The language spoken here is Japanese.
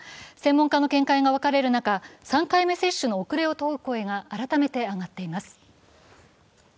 専門家の見解が分かれる中、３回目接種の遅れを問う声が改めて上がっています。